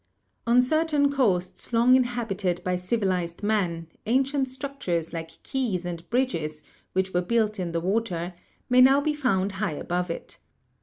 On certain coasts long inhabited by civilized man, an cient structures like quays and bridges, which were built in the water, may now be found high above it.